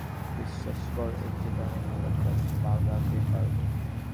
বিশ্বাস কর, এর থেকে অনেক ভালো একটা বাগাতে পারবো।